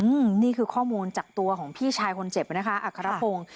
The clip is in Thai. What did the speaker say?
อืมนี่คือข้อมูลจากตัวของพี่ชายคนเจ็บนะคะอัครพงศ์